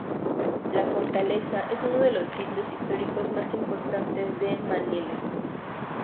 La fortaleza es uno de los sitios históricos más importantes de Manila.